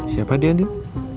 siapa dia andin